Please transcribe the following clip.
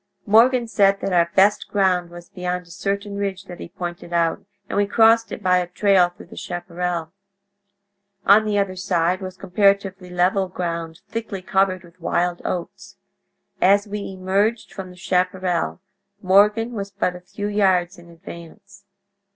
Morgan said that our best ground was beyond a certain ridge that he pointed out, and we crossed it by a trail through the chaparral. On the other side was comparatively level ground, thickly covered with wild oats. As we emerged from the chaparral, Morgan was but a few yards in advance.